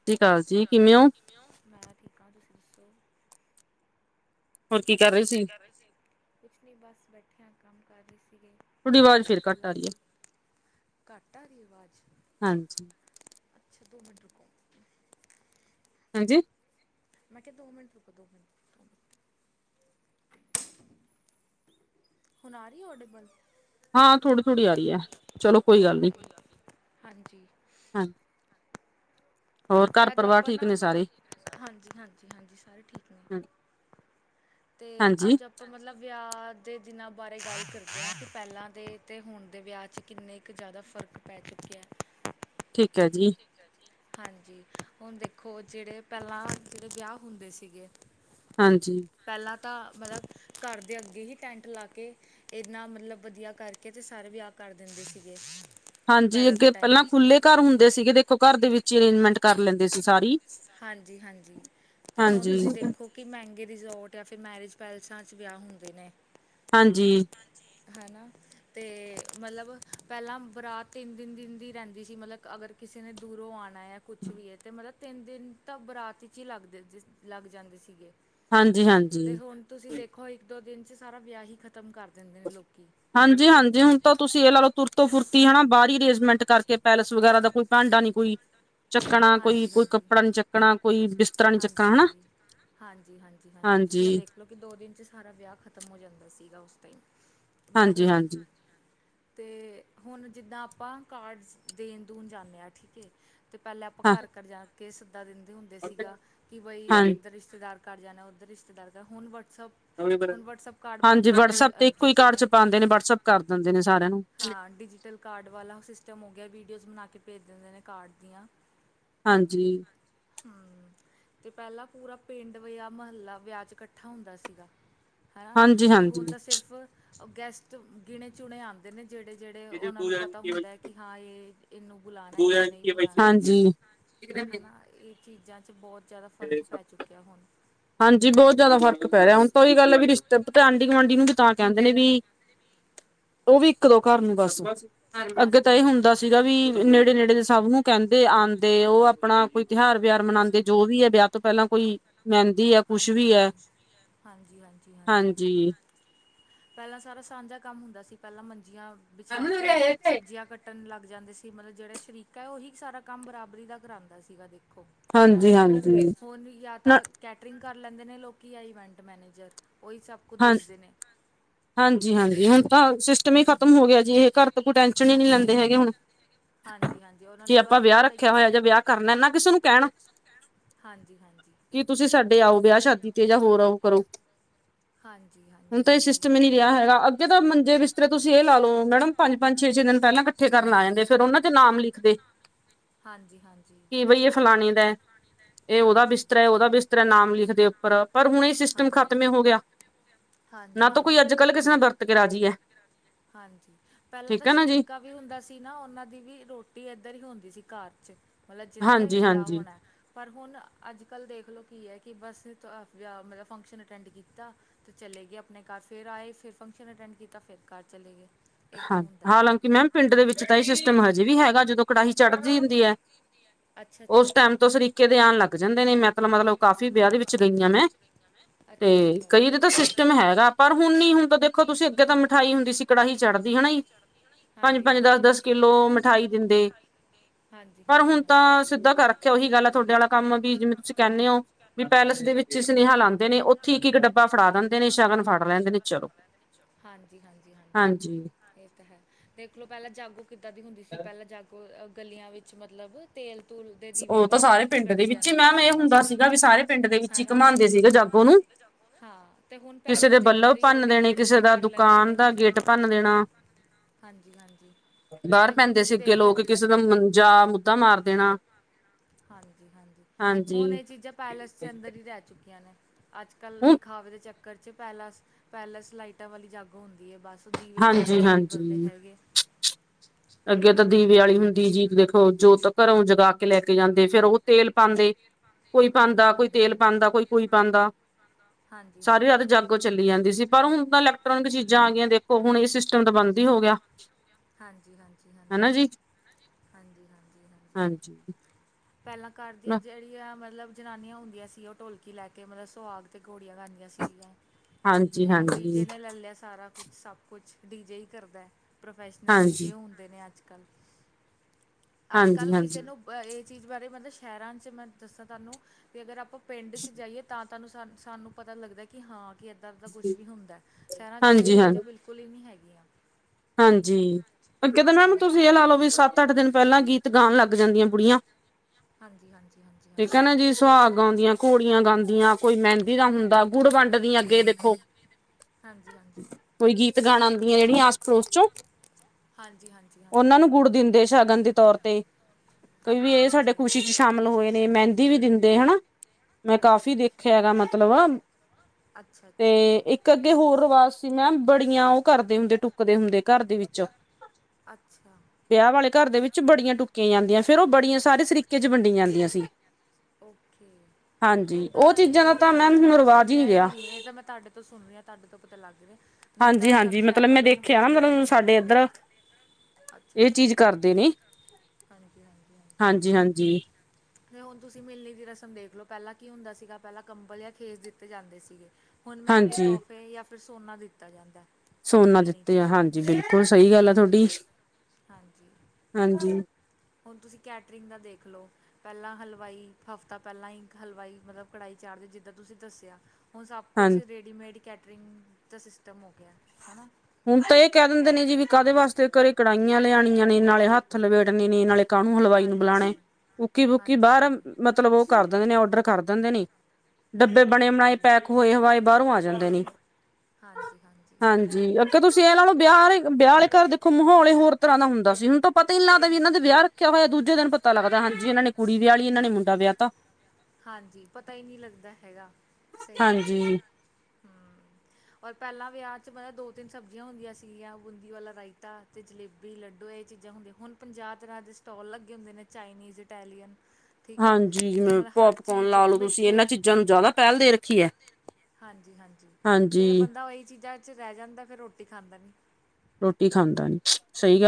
ਸਤਿ ਸ਼੍ਰੀ ਅਕਾਲ ਜੀ ਕਿਵੇਂ ਹੋ? ਮੈਂ ਠੀਕ ਹ ਤੁਸੀਂ ਦੱਸੋ? ਕੀ ਕਰ ਰਹੇ ਸੀ, ਕੁਛ ਨ ਬਸ ਬੈਠਿਆਂ ਕੰਮ ਕਰ ਰਹੀ ਸੀਗੇ, ਤੁਹਾਡੇ ਸ਼ੂਏ ਸੀ, ਘੱਟ ਆ ਰਹੀ ਆ ਆਵਾਜ਼? ਦੋ ਮਿੰਟ ਰੂਕੋ, ਹਾਂਜੀ। ਮੈਂ ਕਿਹਾ ਦੋ ਮਿੰਟ ਰੁਕੋ ਦੋ ਮਿੰਟ, ਹੁਣ ਆ ਰਹੀ ਔਡੇਬਲ? ਹਾਂ ਥੋੜ੍ਹੀ-ਥੋੜ੍ਹੀ ਆ ਰਹੀ ਹੈ ਚਲੋ ਕੋਈ ਗੱਲ ਨਹੀਂ, ਹਾਂਜੀ। ਤੇ ਅੱਜ ਆਪਾਂ ਨਾ ਹਾਂਜੀ-ਹਾਂਜੀ ਹਾਂਜੀ ਸਾਰੇ ਠੀਕ ਨੇ, ਅਤੇ ਅੱਜ ਆਪਾਂ ਮਤਲਬ ਵਿਆਹ ਦੇ ਦਿਨਾਂ ਬਾਰੇ ਗੱਲ ਕਰਦੇ ਹਾਂ ਕਿ ਪਹਿਲਾਂ ਦੇ ਤੇ ਹੁਣ ਦੇ ਵਿਆਹ ਕਿੰਨੀ ਕੁ ਜ਼ਿਆਦਾ ਫ਼ਰਕ ਪੈ ਚੁੱਕਿਆ, ਠੀਕ ਹੈ ਜੀ। ਹਾਂਜੀ ਹੁਣ ਦੇਖੋ ਜਿਹੜੇ ਪਹਿਲਾਂ ਜਿਹੜੇ ਵਿਆਹ ਹੁੰਦੇ ਸੀਗੇ, ਹਾਂਜੀ। ਪਹਿਲਾਂ ਤਾਂ ਮਤਲਬ, ਘਰ ਦੇ ਅੱਗੇ ਹੀ ਟੈਂਟ ਲਾ ਕੇ, ਇਨਾ ਮਤਲਬ ਵਧੀਆ ਕਰਕੇ, ਤੇ ਸਾਰੇ ਵਿਆਹ ਕਰ ਦਿੰਦੇ ਸੀਗੇ। ਪਹਿਲਾਂ ਦੇ ਟਮ ਸੀ ਪਹਿਲਾਂ ਖੁੱਲੇ ਘਰ ਹੁੰ ਸੀਗੇਖੋ ਘਰ ਦੇ ਵਿੱਚਟ ਕਰ ਲ [inaudible] ਹਾਂਜੀ--ਹਾਂਜੀ ਤੇ, ਹੁਣ ਤੁਸੀਂ ਦੇਖੋ ਕੀ, ਮਹਿੰਗੇ ਰਿਜ਼ੋਰਟ, ਜਾਂ ਫਿਰ ਮੈਰਿਜ ਪੈਲੇਸਾਂ, 'ਚ ਵਿਆਹ ਹੁੰਦੇ ਨੇ, ਹਾਂਜੀ। ਹਾਂਜੀ। ਹੈ ਨਾ, ਤੇ ਮਤਲਬ ਪਹਿਲਾਂ ਬਰਾਤ ਤਿੰਨ-ਤਿੰਨ ਦਿਨ ਦੀ ਰਹਿੰਦੀ ਸੀ ਮਤਲਬ ਅਗਰ ਕਿਸੇ ਨੇ, ਦੂਰੋਂ ਆਣਾ ਏ, ਕੁਛ ਵੀ ਹੈ ਅਤੇ ਮਤਲਬ ਤਿੰਨ ਦਿਨ ਤਾਂ, ਬਰਾਤ ਵਿੱਚ ਹੀ ਲੱਗ ਜਾਂਦੇ ਸੀਗੇ। ਹਾਂਜੀ -ਹਾਂਜੀ। ਅਤੇ ਹੁਣ ਤੁਸੀਂ, ਦੇਖੋ ਇੱਕ-ਦੋ ਦਿਨ 'ਚ ਸਾਰਾ ਵਿਆਹ ਹੀ ਖ਼ਤਮ ਕਰ ਦਿੰਦੇ ਨੇ ਲੋਕੀ ਹਾਂਜੀ-ਹਾਂਜੀ ਹੁਣ ਤਾਂ ਤੁਸੀਂ ਇਹ ਲਾਓ ਤੁਰਤੋ-ਫੁਰਤੀ ਹਨਾ ਬਾਹਰੀ ਅਰੇਂਜਮੈਂਟ ਕਰਕੇ ਕਿ ਪੈਲੇਸ ਵਗੈਰਾ ਦਾ, ਕੋਈ ਭਾਂਡਾ ਨੀ ਕੋਈ ਚੱਕਣਾ, ਕੋਈ-ਕੋਈ ਕੱਪੜਾ ਨੀ ਚੱਕਣਾ ਕੋਈ ਬਿਸਤਰਾ ਨੀ ਚੱਕਣਾ ਹਣਾ਼? ਹਾਂਜੀ-ਹਾਂਜੀ-ਹਾਂਜੀ ਤੁਸੀਂ ਆ ਦੇਖ ਲੋ, ਕਿ, ਦੋ -ਦਿਨ ਚ ਸਾਰਾ ਵਿਆਹ ਖਤਮ ਹੋ ਜਾਂਦਾ ਸੀਗਾ, ਉਸ ਟਾਈਮ ਮਤਲਬ ਹੁਣ, ਤੇ ਹੁਣ ਜਿੱਦਾਂ ਆਪਾਂ, ਕਾਰਡ ਦੇਣ ਦੂਣ ਜਾਂਦੇ ਆ ਠੀਕ ਹੈ, ਤੇ ਪਹਿਲਾਂ ਘਰ-ਘਰ ਜਾ ਕੇ ਸੱਦਾ ਦਿੰਦੇ ਹੁੰਦੇ ਸੀਗਾ, ਕਿ ਬਈ ਇੱਧਰ ਰਿਸ਼ਤੇਦਾਰ ਘਰ ਜਾਣਾ ਉੱਧਰ ਰਿਸ਼ਤੇਦਾਰ, ਤਾਂ ਹੁਣ ਵਟਸਐਪ ਹੁਣ, ਵਟਸਪ ਕਾਰਡ ਬਣ ਜਾ ਚੁੱਕੇ ਨੇ ਹਾਂ। ਡਿਜੀਟਲ, ਕਾਰਡ ਵਾਲਾ ਸਿਸਟਮ ਹੋ ਗਿਆ, ਵੀਡੀਓਜ਼ ਬਣਾ ਕੇ ਭੇਜ ਦਿੰਦੇ ਨੇ ਕਾਰਡ ਦੀਆਂ ਹਾਂਜੀ। ਹਾਂ। ਤੇ ਪਹਿਲਾਂ ਪੂਰਾ ਪਿੰਡ, ਮਹੱਲਾ ਵਿਆਹ ਇਕੱਠਾ ਹੁੰਦਾ ਸੀਗਾ। ਹੈਣਾਂ, ਤੇ ਹੁਣ ਤਾਂ ਸਿਰਫ਼, ਗੈਸਟ ਗਿਣੇ-ਚੁਣੇ ਆਉਂਦੇ ਕਹਿਦੇ, ਜਿਹੜੇ-ਜਿਹੜੇ ਉਹਨਾਂ ਨੂੰ ਪਤਾ ਹੁੰਦਾ ਕਿ, ਹਾਂ ਇਹ ਇਹਨੂੰ ਬੁਲਾਉਣਾ, ਇਹਨੂੰ ਨਹੀਂ ਬੁਲਾਉਣਾ ਹਨਾ, ਇਹ ਚੀਜ਼ਾਂ ਚ'ਬਹੁਤ ਜ਼ਿਆਦਾ ਫ਼ਰਕ ਪੈ ਚੁੱਕਿਆ ਹੁਣ, ਹਾਂਜੀ, ਬਹੁਤ ਜ਼ਿਆਦਾ ਫ਼ਰਕ ਪੈ ਰਿਹਾ, ਹੁਣ ਤਾਂ ਉਹੀ ਗੱਲ ਹੈ ਵੀ ਰਿਸ਼ਤੇਦਾਰੀ, ਗੁਆਂਢੀ ਨੂੰ ਵੀ ਤਾਂ ਕਹਿੰਦੇ ਨੇ ਵੀ ਹ, [inaudible] ਉਹ ਵੀ, ਇੱਕ- ਦੋ ਘਰ ਨੂੰ ਬਸ, ਅੱਗੇ ਤਾਂ ਇਹ ਹੁੰਦਾ ਸੀਗਾ ਵੀ ਨੇੜੇ-ਨੇੜੇ ਦੇ ਸਭ ਨੂੰ ਕਹਿੰਦੇ, ਆਦੇ ਉਹ ਆਪਣਾ ਕੋਈ ਤਿਉਹਾਰ, ਵਿਹਾਰ ਮਨਾਉਂਦੇ, ਜੋ ਵੀ ਹੈ, ਵਿਆਹ ਤੋਂ ਪਹਿਲਾਂ ਕੋਈ ਮਹਿੰਦੀ ਐ, ਕੁਛ ਵੀ ਹੈ ਹਾਂਜੀ। ਪਹਿਲਾਂ, ਸਾਰਾ ਸਾਂਝਾ ਕੰਮ ਹੁੰਦਾ ਸੀ ਪਹਿਲਾਂ ਮੰਜੀਆਂ ਵਿਛਾ ਕੇ ਸਬਜ਼ੀਆਂ ਕੱਟ ਕੱਟਣ ਲੱਗ ਜਾਂਦੇ ਸੀ, ਮਤਲਬ ਜਿਹੜਾ ਸ਼ਰੀਕਾ ਹੈ ਉਹੀ ਸਾਰਾ ਕੰਮ ਬਰਾਬਰੀ ਦਾ ਕਰਾਉਂਦਾ ਸੀਗਾ, ਦੇਖੋ ਹੋਰ ਵੀ ਜਿਆਤ ਕੈਟਰਿੰਗ ਕਰ ਲੈਂਦੇ ਨੇ ਲੋਕੀ, ਜਾਂ ਇਵੈਂਟ ਮੈਨੇਜਰ ਉਹੀ ਸਭ ਹਾਂ, ਹਾਂਜੀ- ਹਾਂਜੀ ਹੁਣ ਤਾਂ ਸਿਸਟਮ ਹੀ ਖ਼ਤਮ ਹੋ ਗਿਆ, ਜੀ ਇਹ ਘਰ ਤਾਂ ਕੋਈ, ਟੈਂਸ਼ਨ ਹੀ ਨਹੀਂੀ ਲੈਂਦੇ ਹੈਗੇ, ਹੁਣ ਜੇ ਆਪਾਂ, ਵਿਆਹ ਰੱਖਿਆ ਹੋਇਆ, ਜਾਂ ਵਿਆਹ ਕਰਨਾ, ਨਾ ਕਿਸੇ ਨੂੰ ਕਹਿਣ ਹਾਂਜੀ -ਹਾਂਜੀ ਕੀ ਤੁਸੀਂ, ਸਾਡੇ ਆਓ ਵਿਆਹ ਸ਼ਾਦੀ ਤੇ, ਜਾਂ ਹੋਰ ਆਓ ਕਰੋ ਹਾਂਜੀ, ਹਾਂਜੀ, ਹਾਂਜੀ। ਤਾਂ ਮੰਜੇ ਬਿਸਤਰੇ, ਤੁਸੀਂ ਇਹ ਲਾ ਲਓ, ਮੈਡਮ ਪੰਜ ਛੇ ਦਿਨ ਪਹਿਲਾ ਇਕੱਠੇ ਕਰਨ ਆ ਜਾਂਦੇ, ਫੇਿਰ ਉਹਨਾਂ ਚ ਨਾਮ ਲਿਖਦੇ ਕੀ, ਬਈ ਇਹ ਫਲਾਨੇ ਦਾ, ਇਹ ਉਹਦਾ ਬਿਸਤਰਾ ਹੈ, ਦਾ ਬਿਸਤਰਾ ਤ੍ਹਾਂ ਨਾਮ ਲਿਖਦੇ ਉੱਪਰ, ਪਰ ਹੁਣ ਇਹ ਸਿਸਟਮ ਖਤਮ ਹੀ ਹੋ ਗਿਆ। ਨਾ ਤਾਂ ਕੋਈ, ਅੱਜ- ਕੱਲ੍ਹ ਕਿਸੇ ਨਾਲ ਵਰਤ ਕੇ ਰਾਜੀ ਐ ਹਾਂਜੀ ਪਹਿਲਾਂ ਤਾਂ ਸ਼ਰੀਕਾ ਵੀ ਹੁੰਦਾ ਸੀ ਨਾ ਉਹਨਾਂ ਦੀ ਵੀ ਰੋਟੀ ਇੱਧਰ ਹੀ ਹੁੰਦੀ ਸੀ ਘਰ ਚ ਮਤਲਬ ਜਿੱਦਾਂ ਵਿਆਹ ਹੋਣਾ। ਪਰ ਹੁਣ ਅੱਜ ਕੱਲ੍ਹ ਦੇਖ ਲਓ ਕੀ ਐ ਕਿ ਬਸ ਨੇ ਵਿਆਹ ਮਤਲਬ ਫੰਕਸ਼ਨ ਅਟੈਂਡ ਕੀਤਾ। ਤੇ ਚਲੇ ਗਏ ਆਪਣੇ ਘਰ ਫਿਰ ਆਏ ਫਿਰ ਫੰਕਸ਼ਨ ਅਟੈਂਡ ਕੀਤਾ ਫਿਰ ਘਰ ਚਲੇ ਗਏ। ਹਾਂ ਹਾਲਾਂਕਿ ਮੈਮ ਪਿੰਡ ਦੇ ਵਿੱਚ ਤਾਂ ਇਹ ਸਿਸਟਮ ਹਜੇ ਵੀ ਹੈਗਾ ਜਦੋਂ ਕੜਾਹੀ ਚੜ੍ਹਦੀ ਹੁੰਦੀ ਐ। ਉਸ ਟਾਈਮ ਤੋਂ ਸਰੀਕੇ ਦੇ ਆਣ ਲੱਗ ਜਾਂਦੇ ਨੇ ਮੈਂ ਤਾਂਲ ਮਤਲਬ ਕਾਫੀ ਵਿਆਹ ਦੇ ਵਿੱਚ ਗਈ ਆ ਮੈਂ ਤੇ ਕਈ ਦੇ ਤਾਂ ਸਿਸਟਮ ਹੈਗਾ ਪਰ ਹੁਣ ਨੀ ਹੁਣ ਤਾਂ ਦੇਖੋ ਤੁਸੀਂ ਅੱਗੇ ਤਾਂ ਮਿਠਾਈ ਹੁੰਦੀ ਸੀ ਕੜਾਹੀ ਖਾਦੀ ਹਣਾ ਜੀ ਪੰਜ ਪੰਜ ਦਸ ਦਸ ਕਿੱਲੋ ਮਿਠਾਈ ਦਿੰਦੇ। ਪਰ ਹੁਣ ਤਾਂ ਸਿੱਧਾ ਕਰ ਰੱਖਿਆ ਉਹੀ ਗੱਲ ਆ ਤੁਹਾਡੇ ਵਾਲਾ ਕੰਮ ਵੀ ਜਿਵੇਂ ਤੁਸੀਂ ਕਹਿੰਦੇ ਹੋ। ਵੀ ਪੈਲੇਸ ਦੇ ਵਿੱਚ ਸੁਨੇਹਾ ਲਾਂਦੇ ਨੇ ਉੱਥੇ ਇੱਕ ਇੱਕ ਡੱਬਾ ਫੜਾ ਦਿੰਦੇ ਨੇ ਸ਼ਗਨ ਫੜ ਲੈਂਦੇ ਨੇ ਚਲੋ। ਹਾਂਜੀ, ਹਾਂਜੀ ਹਾਂਜੀ। ਹਾਂਜੀ, ਇਹ ਤਾਂ ਹੈ ਦੇਖਲੋ ਪਹਿਲਾਂ ਜਾਗੋ ਕਿੱਦਾਂ ਦੀ ਹੁੰਦੀ ਸੀ ਪਹਿਲਾਂ ਜਾਗੋ ਗਲੀਆਂ ਵਿੱਚ ਮਤਲਬ। ਓ ਤਾਂ ਸਾਰੇ ਪਿੰਡ ਦੇ ਵਿੱਚ ਹੀ ਮੈਮ ਇਹ ਹੁੰਦਾ ਸੀਗਾ ਵੀ ਸਾਰੇ ਪਿੰਡ ਦੇ ਵਿੱਚ ਹੀ ਘਮਾਉਂਦੇ ਸੀਗੇ ਜਾ, ਗੋ ਨੂੰ ਕਿਸੇ ਦੇ ਬੱਲਬ ਭੰਨ ਦੇਣੇ ਕਿਸੇ ਦਾ ਦੁੱਖ ਦੁਕਾਨ ਦਾ ਗੇਟ ਭੰਨ ਦੇਣਾ ਬਾਹਰ ਪੈਂਦੇ ਸੀ ਅੱਗੇ ਲੋਕ ਕਿਸੇ ਮੰਜਾ ਮੁੱਦਾ ਮਾਰ ਦੇਣਾ। ਹਾਂਜੀ ਹਾਂਜੀ ਹੁਣ ਇਹ ਚੀਜ਼ਾਂ ਪੈਲੇਸ ਦੇ ਅੰਦਰ ਹੀ ਰਹਿ ਚੁੱਕੀਆਂ ਨੇ। ਅੱਜ ਕੱਲ੍ਹ ਦਿਖਾਵੇ ਦੇ ਚੱਕਰ 'ਚ ਪੈਲਸ ਪੈਲਸ ਲਾਈਟਾਂ ਵਾਲੀ ਜੱਗ ਹੁੰਦੀ ਐ ਬਸ ਹਾਂਜੀ ਹਾਂਜੀ, ਅੱਗੇ ਤਾਂ ਦੀਵੇ ਵਾਲੀ ਹੁੰਦੀ ਜੀ ਦੇਖੋ। ਜੋਤ ਘਰੋਂ ਜਗਾ ਕੇ ਲੈ ਕੇ ਜਾਂਦੇ ਫੇਰ ਉਹ। ਤੇਲ ਪਾਂਦੇ ਕੋਈ ਪਾਂਦਾ ਕੋਈ ਤੇਲ ਪਾਂਦਾ ਕੋਈ ਕੋਈ ਪਾਂਦਾ। ਸਾਰੀ ਰਾਤ ਜਾਗੋ ਚੱਲੀ ਜਾਂਦੀ ਸੀ। ਪਰ ਹੁਣ ਤਾਂ ਇਲੈਕਟ੍ਰੋਨਿਕ ਚੀਜ਼ਾਂ ਆ ਗਈਆਂ ਦੇਖੋ ਹੁਣ ਇਹ ਸਿਸਟਮ ਤਾਂ ਬੰਦ ਹੀ ਹੋ ਗਿਆ। ਹਾਂਜੀ ਹਾਂਜੀ, ਹਾਂਜੀ ਹਾਂਜੀ ਹਾਂਜੀ ਹਾਂਜੀ। ਹਾਂਜੀ, ਪਹਿਲਾਂ ਘਰ ਦੀਆਂ ਜਿਹੜੀਆਂ ਮਤਲਬ ਜਨਾਨੀਆਂ ਹੁੰਦੀਆਂ ਸੀ ਉਹ ਢੋਲਕੀ ਲੈ ਕੇ ਮਤਲਬ ਸੁਹਾਗ ਤੇ ਘੋੜੀਆਂ ਗਾਦੀਆਂ ਸੀਗੀਆਂ। ਤੇ ਹੁਣ ਡੀਜੇ ਨੇ ਲੈ ਲਿਆ ਸਾਰਾ। ਕੁਛ ਸਭ ਕੁਛ ਡੀ ਜੇ ਹੀ ਕਰਦਾ ਪ੍ਰੋਫੈਸ਼ਨਲ ਡੀ ਜੇ ਹੋਣ। ਨੇ ਅੱਜ ਕੱਲ ਅੱਜ ਕੱਲ ਕਿਸੇ ਨੂੰ ਇਹ ਚੀਜ਼ ਬਾਰੇ ਮਤਲਬ ਸ਼ਹਿਰਾਂ ਚ ਮੈਂ ਦੱਸਾਂ ਤੁਹਾਨੂੰ ਵੀ ਅਗਰ ਆਪਾਂ ਪਿੰਡ ਚ ਜਾਈਏ ਤਾਂ ਤੁਹਾਨੂੰ ਸਾਨ ਸਾਨੂੰ ਪਤਾ ਲੱਗਦਾ ਕਿ ਹਾਂ ਕਿ ਇੱਦਾਂ ਇੱਦਾਂ ਕੁਛ ਵੀ ਹੁੰਦਾ ਸ਼ਹਿਰਾਂ 'ਚ ਤਾਂ ਇਹ ਚੀਜ਼ਾਂ ਬਿਲਕੁਲ ਕੁਲ ਹੀ ਨਹੀਂ ਹੈਗੀਆਂ ਹਾਂਜੀ ਕਹਿੰਦਾ ਮੈਮ ਤੁਸੀਂ ਇਹ ਲਾ ਲਓ ਵੀ ਸੱਤ ਅੱਠ ਦਿਨ ਪਹਿਲਾਂ ਗੀਤ ਗਾਉਣ ਲੱਗ ਜਾਂਦੀਆਂ ਬੁੜੀਆਂ ਹਾਂਜੀ-ਹਾਂਜੀ-ਹਾਂਜੀ ਕਹਿੰਣਾ ਜੀ ਸੁਹਾਗ ਗਾਉਂਦੀਆਂ ਘੋੜੀਆਂ ਗਾਂਦੀਆਂ ਕੋਈ ਮਹਿੰਦੀ ਦਾ ਹੁੰਦਾ ਗੁੜ ਵੰਡ ਦੀਆਂ ਅੱਗੇ ਦੇਖੋ ਹਾਂਜੀ-ਹਾਂਜੀ ਕੋਈ ਗੀਤ ਗਾਣ ਆਂਦੀਆਂ ਜਿਹੜੀਆਂ ਸਰੋ ਸੋ ਉਹਨਾਂ ਨੂੰ ਗੁੜ ਦਿੰਦੇ ਸ਼ਗਨ ਦੇ ਤੌਰ ਤੇ ਕਈ ਵੀ ਇਹ ਸਾਡੇ ਖੁਸ਼ੀ ਚ ਸ਼ਾਮਿਲ ਹੋਏ ਨੇ ਮਹਿੰਦੀ ਵੀ ਦਿੰਦੇ ਹੈਨਾ ਮੈਂ ਕਾਫ਼ੀ ਦੇਖਿਆ ਹੈਗਾ ਮਤਲਬ ਤੇ ਇੱਕ ਅੱਗੇ ਹੋਰ ਰਿਵਾਜ਼ ਮੈਂ ਬੜੀਆਂ ਉਹ ਕਰਦੇ ਹੁੰਦੇ ਟੁਕਦੇ ਹੁੰਦੇ ਘਰ ਦੇ ਵਿੱਚ ਅੱਛਾ ਵਿਆਹ ਵਾਲੇ ਘਰ ਦੇ ਵਿੱਚ ਬੜੀਆਂ ਟੁਕੀਆਂ ਜਾਂਦੀਆਂ ਫੇਰ ਉਹ ਬੜੀਆਂ ਸਾਰੇ ਸਰੀਕੇ ਚ ਵੰਡੀਆਂ ਜਾਂਦੀਆਂ ਸੀ ਓਕੇ ਨਹੀਂ ਇੱਦਾਂ-ਇੱਦਾਂ ਮੈਂ ਸੁਣਿਆ ਹੀ ਵੀ ਨਹੀਂ ਇਹ ਤਾਂ ਮੈਂ ਤੁਹਾਡੇ ਤੋਂ ਸੁਣ ਰਹੀ ਆ ਤੁਹਾਡੇ ਤੋਂ ਪਤਾ ਲੱਗ ਗਿਆ ਵੇ ਹਾਂਜੀ-ਹਾਂਜੀ ਮਤਲਬ ਮੈਂ ਦੇਖਿਆ ਨਾ ਮਤਲਬ ਸਾਡੇ ਇੱਧਰ ਇਹ ਚੀਜ਼ ਕਰਦੇ ਨੇ ਹਾਂਜੀ-ਹਾਂਜੀ-ਹਾਂਜੀ ਤੇ ਹੁਣ ਤੁਸੀਂ ਮਿਲਣੀ ਦੀ ਰਸਮ ਦੇਖ ਲਓ ਪਹਿਲਾਂ ਕੀ ਹੁੰਦਾ ਸੀਗਾ ਪਹਿਲਾਂ ਕੰਬਲ ਜਾਂ ਖੇਸ ਦਿੱਤੇ ਜਾਂਦੇ ਸੀਗੇ ਹੁਣ ਮਹਿੰਗੇ ਤੋਹਫ਼ੇ ਜਾਂ ਫਿਰ ਸੋਨਾ ਦਿੱਤਾ ਜਾਂਦਾ ਸੋਨਾ ਦਿੱਤੇ ਆ ਹਾਂਜੀ ਬਿਲਕੁਲ ਸਹੀ ਗੱਲ ਆ ਤੁਹਾਡੀ ਹਾਂਜੀ ਹੁਣ ਤੁਸੀਂ ਕੈਟਰਿੰਗ ਦਾ ਦੇਖ ਲਓ ਪਹਿਲਾਂ ਹਲਵਾਈ ਹਫਤਾ ਪਹਿਲਾਂ ਹੀ ਹਲਵਾਈ ਮਤਲਬ ਕੜਾਹੀ ਚਾੜ੍ਹਦੇ ਜਿੱਦਾਂ ਤੁਸੀਂ ਦੱਸਿਆ ਹੁਣ ਸਭ ਕੁਛ ਰੇਡੀਮੇਡ ਕੈਟਰਿੰਗ ਦਾ ਸਿਸਟਮ ਹੋ ਗਿਆ ਹੈਨਾ ਹੁਣ ਤਾਂ ਇਹ ਕਹਿ ਦਿੰਦੇ ਨੇ ਜੀ ਵੀ ਕਾਹਦੇ ਵਾਸਤੇ ਘਰੇ ਕੜਾਹੀਆਂ ਲਿਆਣੀਆਂ ਨੇ ਨਾਲੇ ਹੱਥ ਲਬੇੜਣੇ ਨੇ ਨਾਲੇ [unintelligible] ਕੁੱਕੀ-ਫੂੱਕੀ ਬਾਹਰ ਮਤਲਬ ਉਹ ਕਰ ਦਿੰਦੇ ਨੇ ਓਡਰ ਕਰ ਦਿੰਦੇ ਨੇ ਡੱਬੇ ਬਣੇ ਬਣਾਏ ਪੈਕ ਹੋਏ ਹਵਾਏ ਬਾਹਰੋਂ ਆ ਜਾਂਦੇ ਨੇ ਹਾਂਜੀ ਤੁਸੀਂ ਇਹਨਾਂ ਨਾਲੋਂ ਵਿਆਹ ਆਲੇ ਵਿਆਹ ਵਾਲੇ ਘਰ ਦੇਖੋ ਮਾਹੌਲ ਹੋਰ ਤਰ੍ਹਾਂ ਦਾ ਹੁੰਦਾ ਸੀ ਹੁਣ ਤਾਂ ਪਤਾ ਹੀ ਲੱਗਦਾ ਵੀ ਇਹਨਾਂ ਦੇ ਵਿਆਹ ਰੱਖਿਆ ਹੋਇਆ ਦੂਜੇ ਦਿਨ ਪਤਾ ਲੱਗਦਾ ਹਾਂਜੀ ਇਹਨਾਂ ਨੇ ਕੁੀ ਵਿਆਲੀ ਇਹਨਾਂ ਨੇ ਮੁੰਡਾ ਵਿਆਹ ਤਾਂ ਹਾਂਜੀ ਪਤਾ ਹੀ ਨਹੀਂ ਲੱਗਦਾ ਹੈਗਾ ਸਹੀ ਗੱਲ ਔਰ ਪਹਿਲਾਂ ਵਿਆਹ ਚ ਮਤਲਬ ਦੋ ਤਿੰਨ ਸਬਜ਼ੀਆਂ ਹੁੰਦੀਆਂ ਸੀਗੀਆਂ ਬੂੰਦੀ ਵਾਲਾ ਰਾਇਤਾ ਅਤੇ ਜਲੇਬੀ ਲੱਡੂ ਇਹ ਚੀਜ਼ਾਂ ਹੁੰਦੀਆਂ ਹੁਣ ਪੰਜਾਹ ਤਰ੍ਹਾਂ ਦੇ ਸਟੋਲ ਲੱਗੇ ਹੁੰਦੇ ਨੇ ਚਾਈਨੀਜ਼ ਇਟੈਲੀਅਨ ਠੀਕ ਹੈ ਅਤੇ ਮਤਲਬ ਹਰ ਚੀਜ਼ ਮਿੱਠੇ ਹਾਂਜੀ-ਹਾਂਜੀ ਤੇ ਬੰਦਾ ਉਹੀ ਚੀਜ਼ਾਂ ਵਿੱਚ ਰਹਿ ਜਾਂਦਾ ਫਿਰ ਰੋਟੀ ਖਾਂਦਾ ਨਹੀਂ ਰੋਟੀ ਖਾਂਦਾ ਨੀ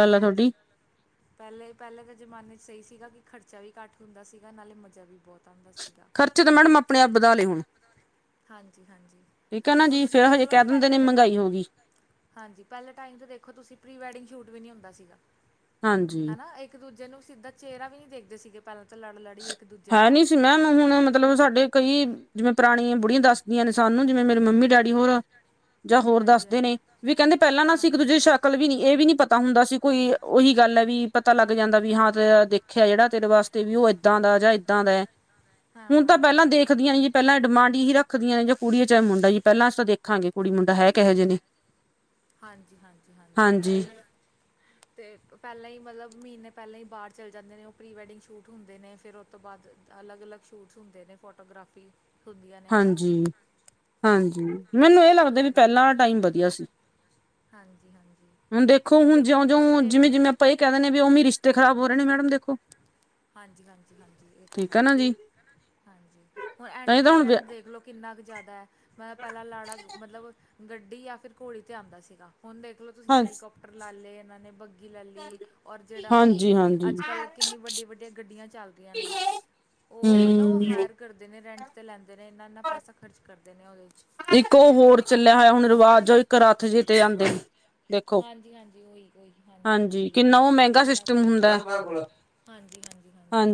ਹਾਂਜੀ ਪਹਿਲੇ-ਪਹਿਲੇ ਦੇ ਜ਼ਮਾਨੇ ਸਹੀ ਸੀਗਾ ਕਿ ਖਰਚਾ ਵੀ ਘੱਟ ਹੁੰਦਾ ਸੀਗਾ ਨਾਲੇ ਮਜ਼ਾ ਵੀ ਬਹੁਤ ਖਰਚੇ ਤਾਂ ਮੈਡਮ ਆਪਣੇ ਆਪ ਵਧਾ ਲਏ ਹੁਣ ਠੀਕ ਹੈ ਨਾ ਜੀ ਫਿਰ ਹਜੇ ਕਹਿ ਦਿੰਦੇ ਨੇ ਮਹਿੰਗਾਈ ਹੋ ਗਈ ਹਾਂਜੀ ਪਹਿਲੇ ਟਾਈਮ ਦੇਖੋ ਤੁਸੀਂ ਪ੍ਰੀ ਵੈਡਿੰਗ ਸ਼ੂਟ ਵੀ ਨਹੀਂ ਹੁੰਦਾ ਸੀਗਾ ਹੈ ਨਾ ਇੱਕ ਇੱਕ ਦੂਜੇ ਨੂੰ ਸਿੱਧਾ ਚਿਹਰਾ ਵੀ ਨੀ ਦੇਖਦੇ ਸੀਗੇ ਪਹਿਤ ਲੜ ਲੈ ਹੈ ਨ ਸੀ ਮੈਂ ਹੁਣ ਮਤਲਬ ਸਾਡੇ ਜ ਕਈ ਜਿਵੇਂ ਪੁਰਾਣੀਆਂ ਬੁੜੀਆਂ ਦੱਸਦੀਆਂ ਨੇ ਸਾਨੂੰ ਜਿਵੇਂ ਮੇਰੇ ਮੰਮੀ ਡੈਡੀ ਹੋਰ ਜਾਂ ਹੋਰ ਦੱਸਦੇ ਨੇ ਵੀ ਕਹਿੰਦੇ ਪਹਿਲਾਂ ਨਾ ਅਸੀਂ ਇੱਕ ਦੂਜੇ ਸ਼ੱਕ ਨਕਲ ਵੀ ਨੀ ਇਹ ਵੀ ਨੀ ਪਤਾ ਹੁੰਦਾ ਸੀ ਕੋਈ ਉਹੀ ਗੱਲ ਹੈ ਵੀ ਪਤਾ ਲੱਗ ਜਾਂਦਾ ਵੀ ਹਾਂ ਤੇ ਦੇਖਿਆ ਜਿਹੜਾ ਵਾਸਤੇ ਵੀ ਉਹ ਇੱਦਾਂ ਦਾ ਜਾਂ ਇੱਦਾਂ ਦਾ ਹੁਣ ਤਾਂ ਪਹਿਲਾਂ ਦੇਖਦੀਆਂ ਨੀ ਜੀ ਪਹਿਲਾਂ ਡਿਮਾਂਡ ਹੀਹੀ ਰੱਖਦੀਆਂ ਨੇ ਜਾਂ ਕੁੜੀ ਚਾਹੇ ਮੁਡਾਂ ਜੀ ਪਹਿਲਾਂ ਅਸੀ ਤਾਂ ਦੇਖਾਂਗੇ ਕੁੜੀ ਮੁੰਡਾ ਹੈ ਕਿਹ ਜਿਹੇ ਨੇ ਹਾਂਜੀ-ਹਾਂਜੀ-ਹਾਂਜੀ ਉਹੀ ਤਾਂ ਤੇ ਪੈਲਾਂ ਈ ਮਤਲਬ ਮੀਨੇ ਪੈਲਾਂ ਈ ਬਾਰ ਚੱਲ ਜਾਂਦੇ ਨੇ, ਓਹ ਪ੍ਰੀ ਵੈਡਿੰਗ ਸ਼ੂਟ ਹੁੰਦੇ ਨੇ ਫੇਰ ਔ ਤੋਂ ਬਾਦ ਅਲੱਗ-ਅਲੱਗ ਸ਼ੂਟਸ ਹੁੰਦੇ ਨੇ ਫੋਟੋਗ੍ਰਾਫੀ। ਹਾਂਜੀ, ਹਾਂਜੀ, ਮੈਨੂੰ ਏ ਲੱਗਦਾ ਵੀ ਪੈਲਾਂ ਟਾਈਮ ਵਧੀਆ ਸੀ। ਹੁਣ ਦੇਖੋ, ਹੁਣ ਜਿਓ-ਜਿਓਂ ਜਿਵੇਂ ਜਿਵੇਂ ਅਪਾਂ ਏ ਕੈ ਦੇੰਦੇ ਔਵੀ ਰਿਸ਼ ਤੇ ਖ਼ਰਾਬ ਹੋ ਰੇ ਨੇ ਮੈਡਮ ਦੇਖੋ। ਹਾਂਜੀ ਹਾਂਜੀ ਹਾਂਜੀ, ਏ ਤਾਂ ਹੈ ਹਾਂਜੀ। ਹੁਣ, ਐਂਟਰੀ ਟ੍ਰੈਂਡ ਦੇਖਲੋ ਕਿੰਨਾ ਕ ਜੈਦਾ ਐ ਮੈਂ ਪੈਲਾਂ ਲਾੜਾ ਗ ਮਤਲਬ ਗੱਡੀ ਜਾਂ ਫਿਰ ਘੋੜੀ ਤੇ ਆੰਦਾ ਸੀਗਾ। ਹੁਣ ਦੇਖ ਲੋ ਤੁਸੀਂ ਹੈਲੀਕੋਪਟਰ ਲਾ ਲੇ ਐਨਾਂ ਨੇ ਬਗ ਗੀ ਲੈ ਲੀ ਔਰ ਜੇੜਾ ਔ ਅੱਜ-ਕੱਲ੍ਹ ਕਿੰਨੀ ਵੱਡੀ-ਵੱਡੀਆਂ ਗੱਡੀਆਂ ਚੱਲ ਰੀਆਂ ਨੇ। ਓਹ ਮਤਲਬ ਔ ਹਰ ਕਰਦੇ ਨੇ ਰੈਂਟ ਤੇ ਲੈਂਦੇ ਨੇ ਇੰਨਾ-ਇੰਨਾ ਪੈਸਾ ਖਰਚ ਕਰਦੇ ਨੇ ਔਦੇ ਚ। ਇੱਕ ਔ ਹੋਰ ਚੱਲਿਆ ਹੋਯਾ ਹੁਣ ਰਿਵਾਜ਼ ਜੋ ਇੱਕ ਰਥ ਜੀਤੇ ਆੰਦੇਣ। ਹਾਂਜੀ ਹਾਂਜੀ, ਓਹੀ ਓਹੀ ਹਾਂਜੀ ਹਾਂਜੀ ਕਿੰਨਾ ਕੈ ਹਾਂਜੀ ਹਾਂਜੀ, ਹਾਂਜੀ।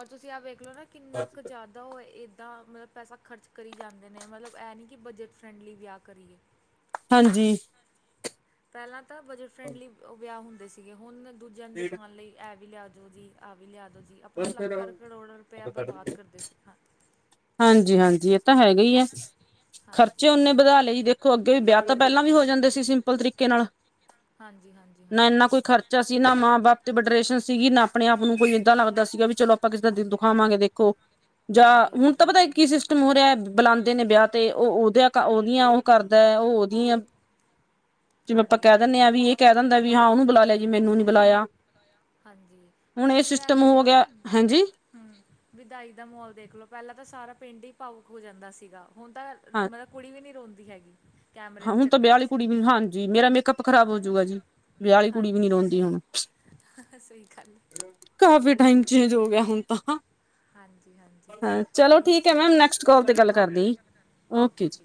ਔਰ ਤੁਸੀਂ ਆ ਵੇਖ ਲੋ ਨਾ ਕਿੰਨਾ ਕ ਜਾ ਦਾਂ ਔ ਏਦਾਂ ਮਤਲਬ ਪੈਸਾ ਖਰਚ ਕਰੀ ਜਾਂਦੇ ਨੇ ਮਤਲਬ ਐ ਨੀ ਕਿ ਬਜਟ ਫਰੈਂਡਲੀ ਵਿਆਹ ਕਰੀਏ। ਹਾਂਜੀ। ਪੈਲਾਂ ਤਾਂ ਬਜਟ ਫ੍ਰੈਂਡਲੀ ਓ ਵੇਆ ਹੁੰਦੇ ਸੀਗੇ ਹੋਨ ਦੂਜੇਆਂ ਨੂੰ ਦਿਖਾਨ ਲਈ, ਐ ਵੀ ਲੇਆ ਦੋ ਜੀ ਆਵਿ ਲੇਯਾ ਦੋ ਜੀ ਅਪਨਾ ਲੱਖਾਂ ਕਰੋੜਾ ਰਪੇਯਾ ਬਰਬਾਦ ਕਰਦੇ ਸੀ। ਹਾਂਜੀ-ਹਾਂਜੀ ਏ ਤਾਂ ਹੈਗੈ ਈ ਐ, ਖ਼ਰਚੇ ਓਨੇ ਬਧਾ ਲਏ ਜੀ ਦੇਖ ਦੇ ਅੱਗੇ ਵੀ ਬੇਆ ਤਾਂ ਪੈਲਾਂ ਵੀ ਹੋ ਜਾਂਦੇ ਸੀ ਸਿੰਪਲ ਤਰੀਕੇ ਨਾਲ਼। ਨਾ ਏਨਾ ਕੋਈ ਖਰਚਾ ਸੀ ਨਾ ਮਾਂ-ਬਾਪ ਤੇ ਬਡਰੇਸ਼ਨ ਸੀਗੀ ਨਾ ਆਪਣੇ ਆਪ ਨੂੰ ਕੋਈ ਏਦਾਂ ਲੱਗਦਾ ਸੀਗਾ ਕੀ ਚਲੋ ਆਪਾਂ ਕਿਸੇ ਦਾ ਦਿਲ ਦੁਖਾਵਾਂਗੇ ਦੇਖੋ, ਜਾਂ ਹੁਨ ਤਾਂ ਪਤੈ ਕੀ ਸਿਸ ਟਮ ਹੋ ਰੇਐ, ਬਲਾੰਦੇ ਨੇ ਬੇਆ ਤੇ ਓ ਔਦੀਆਂ ਕ ਓਦੀਆਂ ਓਨੂ ਕਰਦੈ, ਓ ਓਦੀਆਂ ਜਿਵੇਂ ਆਪਾਂ ਕੈ ਦਨੇ ਆਂ ਵੀ, ਏਹ ਕੈ ਦਿੰਦਾ ਵੀ ਹਾਂ ਓਨੂੰ ਬਲਾ ਲੇਆ ਜੀ ਮੈਨੂੰ ਨੀ ਬਲਾਯਾ। ਹਾਂਜੀ, ਤੇ ਤੁਸੀਂ ਐ ਦੇਖਲੋ ਨਾ ਹੂੰ, ਬਿਦਾਈ ਦਾ ਮਹੋਲ ਦੇਖਲੋ ਪੈਲਾਂ ਤਾਂ ਸਾਰਾ ਪਿੰਡ ਈ ਭਾਵੁਕ ਹੋ ਜਾਂਦਾ ਸੀਗਾ। ਹੋਨ ਤਾਂ ਮਤਲਬ ਕੁੜੀ ਵੀ ਨੀ ਰੋਂਦੀ ਹੈਗੀ। ਹਾਂ, ਹੁਨ ਤਾਂ ਬੇਆ ਅਆਲੀ ਕੁੜੀ ਵੀ ਹਾਂਜੀ, ਮੇਰਾ ਮੇਕਅਪ ਖ਼ਰਾਬ ਹੋਜੂਗਾ ਜੀ ਵੇਆ ਆਲੀ ਕੁੜੀ ਵੀ ਨੀ ਰੋਂਦੀ ਹੋਣ। ਕਾਫੀ ਟਾਈਮ ਚੇਂਜ ਹੋ ਗੇਆ ਹੁਣ ਤਾਂ। ਹਅ, ਚਲੋ ਠੀਕ ਐ ਮੈਮ ਨੈਕਸਟ ਕੋਲ ਤੇ ਗਾੱਲ ਕਰਦੀ, ਓਕੇ ਜੀ।